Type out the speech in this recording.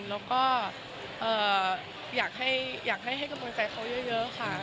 แล้วก็อยากให้กำลังใจเขาเยอะค่ะ